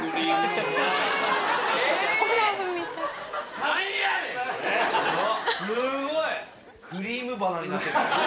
すごい！